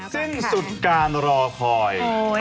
ซึ่งสุดการรอคอย